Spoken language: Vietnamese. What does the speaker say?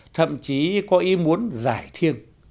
thậm chí có ý muốn giải thiêng